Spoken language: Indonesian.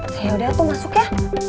saya udah tuh masuk ya